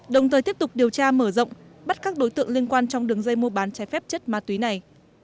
đồng thời tiếp tục điều tra mở rộng bắt các đối tượng liên quan trong đường dây mua bán trái phép chất ma túy này